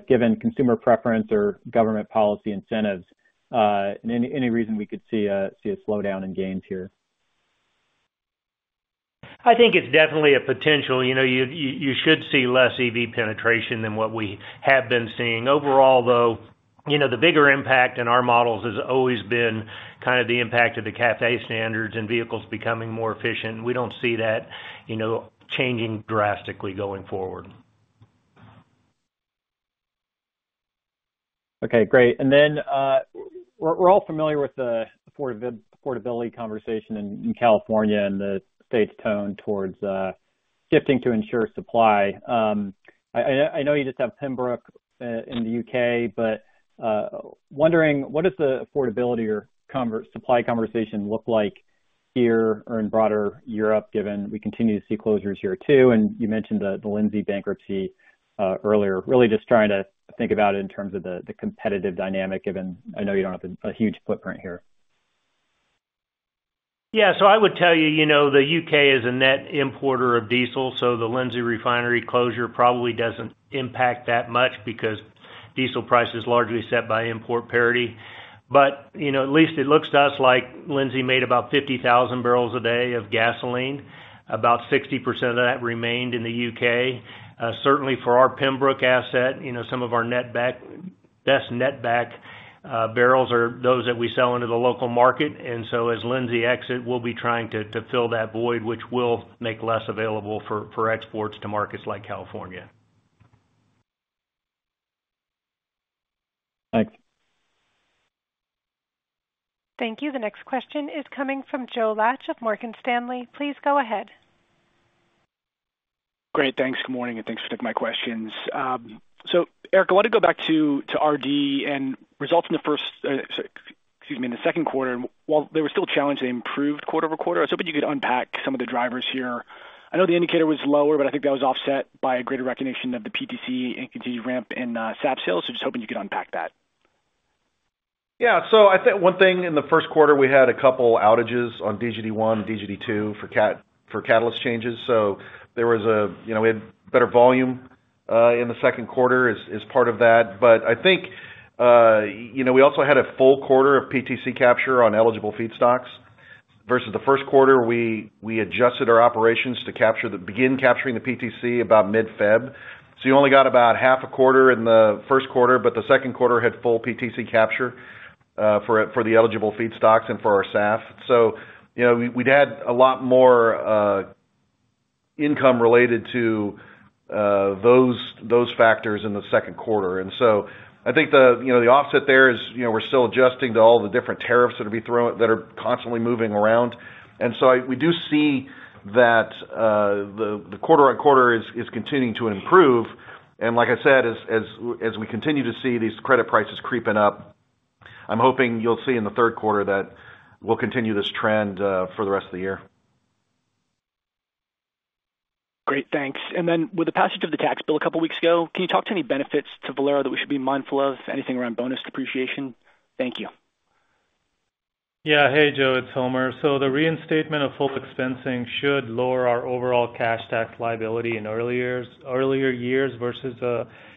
given consumer preference or government policy incentives, and any reason we could see a slowdown in gains here. I think it's definitely a potential, you know, you should see less EV penetration than what we have been seeing overall though. You know, the bigger impact in our models has always been kind of the impact of the CAFE standards and vehicles becoming more efficient. We don't see that, you know, changing drastically going forward. Okay, great. We're all familiar with the affordability conversation in California and the state's tone towards shifting to insure supply. I know you just have Pembroke in. The U.K., but wondering what does the. Affordability or supply conversation look like here or in broader Europe, given we continue to see closures here too. You mentioned the Lindsey bankruptcy earlier. Really just trying to think about it in terms of the competitive dynamic given. I know you don't have a huge footprint here. Yeah. I would tell you, you know, the U.K. is a net importer of diesel. The Lindsey refinery closure probably does not impact that much because diesel price is largely set by import parity. You know, at least it looks to us like Lindsey made about 50,000 barrels a day of gasoline. About 60% of that remained in the U.K. Certainly for our Pembroke asset, you know, some of our best netback barrels are those that we sell into the local market. As Lindsey exits, we will be trying to fill that void which will make less available for exports to markets like California. Thank you. Thank you. The next question is coming from Joe Laetsch of Morgan Stanley. Please go ahead. Great, thanks. Good morning and thanks for taking my questions. Eric, I want to go back. To RD and results in the first. Excuse me. In the second quarter, while they were still challenged, they improved quarter over quarter. I was hoping you could unpack some. Of the drivers here. I know the indicator was lower, but I think that was offset by a. Greater recognition of the PTC and continued ramp in SAF sales. Just hoping you could unpack that. Yeah. I think one thing, in the first quarter we had a couple outages on Diamond Green Diesel1, Diamond Green Diesel2 for catalyst changes. There was a, you know, we had better volume in the second quarter as part of that. I think, you know, we also had a full quarter of PTC capture on eligible feedstocks versus the first quarter. We adjusted our operations to begin capturing the PTC about mid February. You only got about half a quarter in the first quarter. The second quarter had full PTC capture for the eligible feedstocks and for our SAF. You know, we had a lot more income related to those factors in the second quarter. I think the offset there is, you know, we're still adjusting to all the different tariffs that are constantly moving around. We do see that the quarter on quarter is continuing to improve. Like I said, as we continue to see these credit prices creeping up, I'm hoping you'll see in the third quarter that we'll continue this trend for the rest of the year. Great, thanks. With the passage of the. Tax bill a couple weeks ago, can. You talk to any benefits to Valero? That we should be mindful of, anything around bonus depreciation? Thank you. Yeah, hey, Joe, it's Homer. The reinstatement of full expensing should lower our overall cash tax liability in earlier years versus,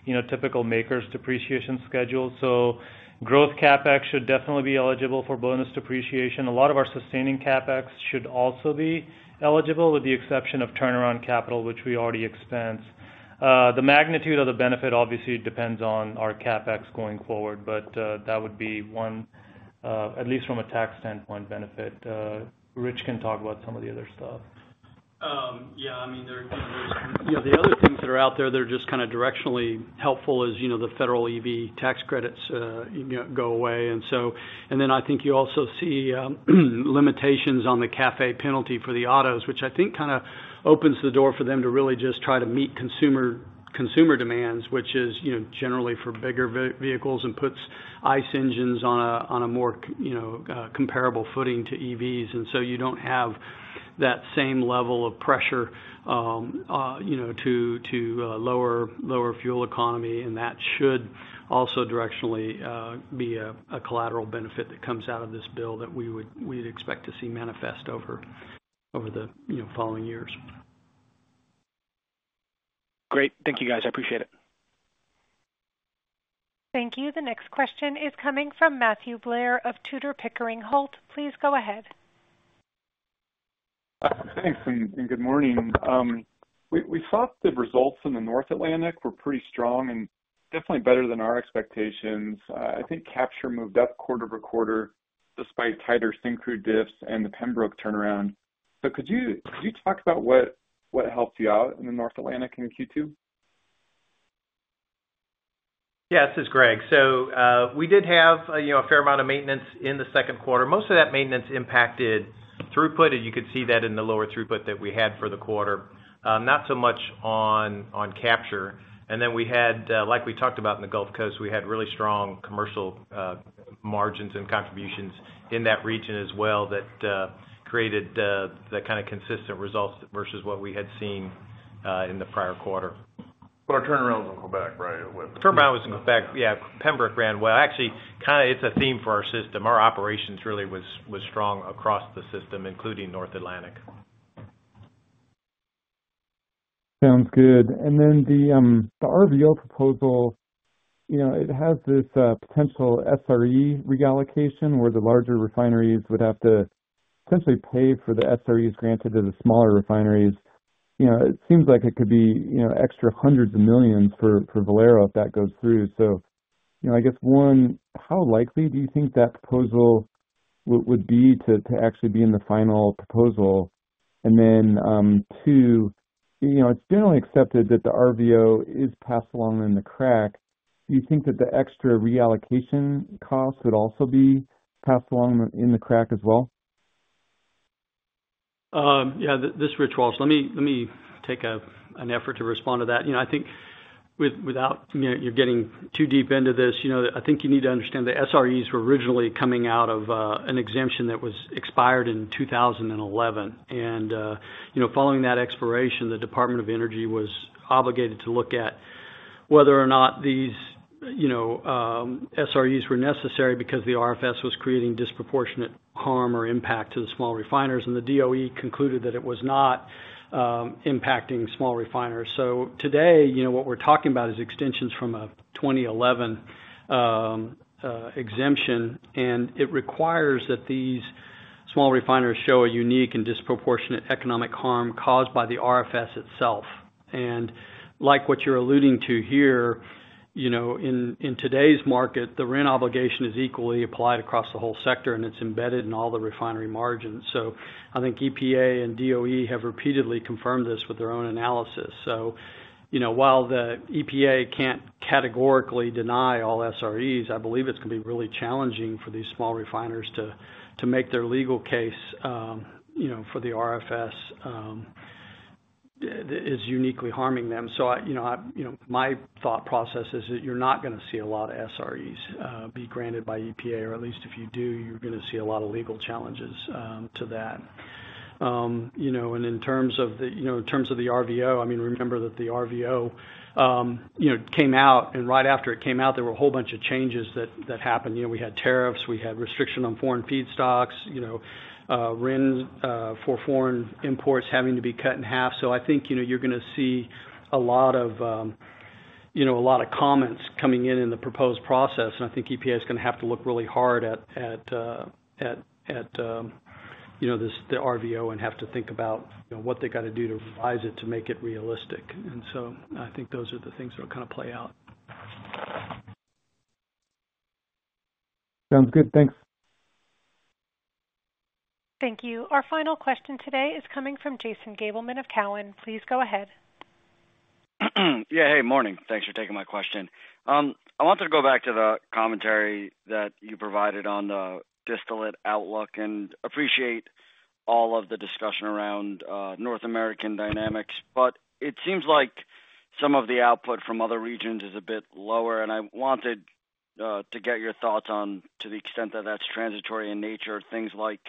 you know, typical MACRS depreciation schedule. Growth CapEx should definitely be eligible for bonus depreciation. A lot of our sustaining CapEx should also be eligible with the exception of turnaround capital, which we already expense. The magnitude of the benefit obviously depends on our CapEx going forward, but that would be one, at least from a tax standpoint. Benefit, Rich can talk about some of the other stuff. Yeah, I mean, the other things that are out there that are just kind of directionally helpful is, you know, the federal EV tax credits go away. And then I think you also see limitations on the CAFE penalty for the autos, which I think kind of opens the door for them to really just try to meet consumer demands, which is, you know, generally for bigger vehicles and puts ICE engines on a more, you know, comparable footing to EVs, and so you do not have that same level of pressure, you know, to lower fuel economy. That should also directionally be a collateral benefit that comes out of this bill that we would expect to see manifest over the following years. Great. Thank you, guys. I appreciate it. Thank you. The next question is coming from Matthew Blair of Tudor, Pickering, Holt. Please go ahead. Thanks and good morning. We thought the results in the North. Atlantic were pretty strong and definitely better than our expectations. I think capture moved up quarter over quarter despite tighter Syncrude diffs and the Pembroke turnaround. Could you talk about what helped? You out in the North Atlantic in Q2? Yeah, this is Greg. We did have a fair amount of maintenance in the second quarter. Most of that maintenance impacted throughput. You could see that in the lower throughput that we had for the quarter, not so much on capture. We had, like we talked about, in the Gulf Coast, really strong commercial margins and contributions in that region as well. That created the kind of consistent results versus what we had seen in the prior quarter. Our turnaround was in Quebec, right? Turnaround was in Quebec. Yeah. Pembroke ran well, actually, kind of. It's a theme for our system. Our operations really was strong across the system, including North Atlantic. Sounds good. The RVO proposal, you know, it has this potential SRE reallocation where the larger refineries would have to potentially pay for the SREs granted to the smaller refineries. You know, it seems like it could. Be, you know, extra hundreds of millions for Valero if that goes through. So, you know, I guess, one, how. Likely do you think that proposal would be to actually be in the final proposal? And then two, you know, it's generally accepted that the RVO is passed along in the crack. Do you think that the extra reallocation costs would also be passed along in the crack as well? Yeah. This is Rich Walsh. Let me take an effort to respond to that. You know, I think without you getting too deep into this, you know, I think you need to understand the SREs were originally coming out of an exemption that was expired in 2011. And, you know, following that expiration, the Department of Energy was obligated to look at whether or not these, you know, SREs were necessary because the RFS was creating disproportionate harm or impact to the small refiners. And the DOE concluded that it was not impacting small refiners. Today, you know, what we're talking about is extensions from a 2011 exemption, and it requires that these small refiners show a unique and disproportionate economic harm caused by the RFS itself. Like what you're alluding to here, you know, in today's market, the RIN obligation is equally applied across the whole sector, and it's embedded in all the refinery margins. I think EPA and DOE have repeatedly confirmed this with their own analysis. While the EPA can't categorically deny all SREs, I believe it's going to be really challenging for these small refiners to make their legal case, you know, for the RFS is uniquely harming them. My thought process is that you're not going to see a lot of SREs be granted by EPA, or at least if you do, you're going to see a lot of legal challenges to that. In terms of the, you know, in terms of the RFS, I mean, remember that the RVO, you know, came out, and right after it came out, there were a whole bunch of changes that happened. We had tariffs, we had restriction on foreign feedstocks, you know, RIN for foreign imports having to be cut in half. I think, you know, you're going to see a lot of, you know, a lot of comments coming in in the proposed process. I think EPA is going to have to look really hard at. You. Know, the RVO and have to think about what they got to do to revise it to make it realistic. I think those are the things that will kind of play out. Sounds good. Thanks. Thank you. Our final question today is coming from Jason Gabelman of Cowen. Please go ahead. Yeah. Hey, morning. Thanks for taking my question. I wanted to go back to the commentary that you provided on the distillate outlook and appreciate all of the discussion around North American dynamics. It seems like some of the output from other regions is a bit lower. I wanted to get your thoughts on to the extent that that is transitory in nature. Things like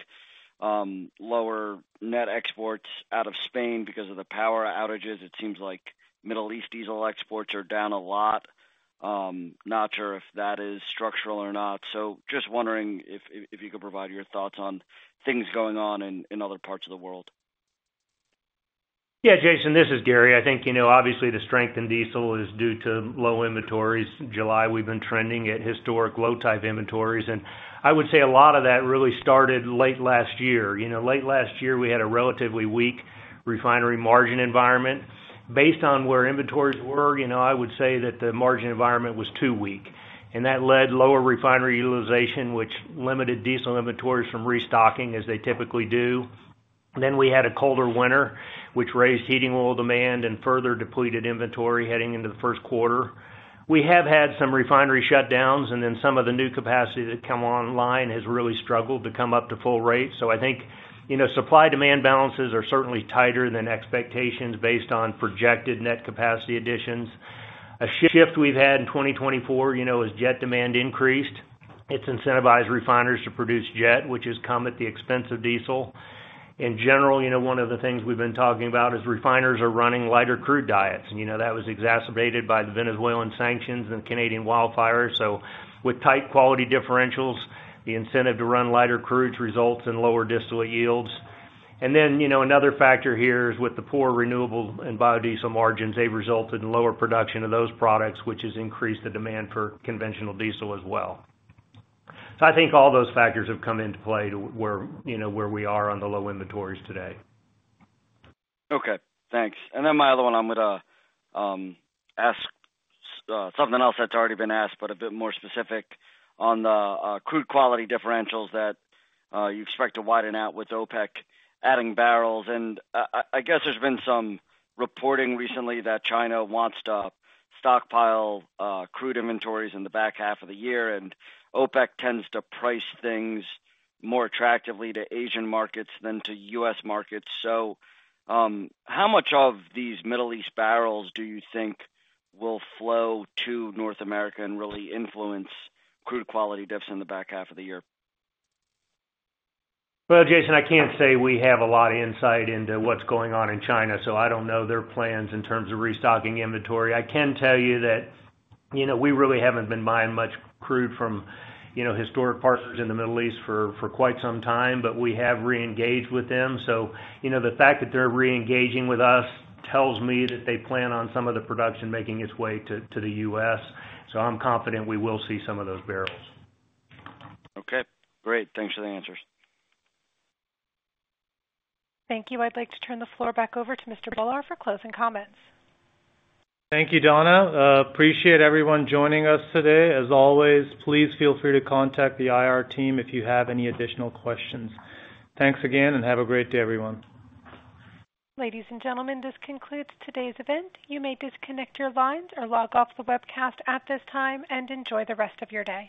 lower net exports out of Spain because of the power outages. It seems like Middle East diesel exports are down a lot. Not sure if that is structural or not. Just wondering if you could provide your thoughts on things going on in other parts of the world. Yeah. Jason, this is Gary. I think, you know, obviously the strength in diesel is due to low inventories. July, we've been trending at historic low type inventories. I would say a lot of that really started late last year. You know, late last year we had a relatively weak refinery market margin environment. Based on where inventories were, I would say that the margin environment was too weak and that led lower refinery utilization, which limited diesel inventories from restocking as they typically do. We had a colder winter which raised heating oil demand and further depleted inventory. Heading into the first quarter, we have had some refinery shutdowns and then some of the new capacity that come online has really struggled to come up to Florida. I think supply demand balances are certainly tighter than expectations based on projected net capacity additions. A shift we've had in 2024 as jet demand increased. It's incentivized refiners to produce jet, which has come at the expense of diesel in general. One of the things we've been talking about is refiners are running lighter crude diets and that was exacerbated by the Venezuelan sanctions and Canadian wildfires. With tight quality differentials, the incentive to run lighter crudes results in lower distillate yields. Another factor here is with the poor renewable and biodiesel margins, they resulted in lower production of those products, which has increased the demand for conventional diesel as well. I think all those factors have come into play to where we are on the low inventories today. Okay, thanks. Then my other one, I'm going to ask something else that's already been asked, but a bit more specific on the crude quality differentials that you expect to widen out with OPEC adding barrels. I guess there's been some reporting recently that China wants to stockpile crude inventories in the back half of the year and OPEC tends to price things more attractively to Asian markets than to U.S. markets. How much of these Middle East barrels do you think will flow to North America and really influence crude quality dips in the back half of the year? Jason, I can't say we have a lot of insight into what's going on in China. I don't know their plans in terms of restocking inventory. I can tell you that we really haven't been buying much crude from historic partners in the Middle East for quite some time. We have reinstated with them. You know, the fact that they're re-engaging with us tells me that they plan on some of the production making its way to the U.S. I am confident we will see some of those barrels. Okay, great. Thanks for the answers. Thank you. I'd like to turn the floor back over to Mr. Bhullar for closing comments. Thank you, Donna. Appreciate everyone joining us today. As always, please feel free to contact the IR team if you have any additional questions. Questions? Thanks again and have a great day everyone. Ladies and gentlemen, this concludes today's event. You may disconnect your lines or log off the webcast at this time and enjoy the rest of your day.